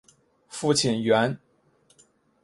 父亲袁。